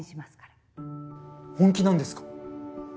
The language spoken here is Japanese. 本気なんですか？